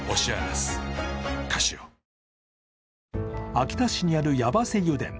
秋田市にある八橋油田。